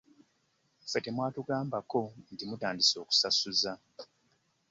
Ffe temwatugambako nti mutandise okusasuza.